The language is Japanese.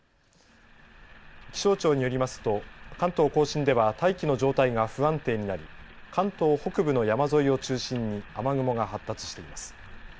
気象庁によりますと関東甲信では大気の状態が不安定になり関東北部の山沿いを中心に雨雲が発達しています。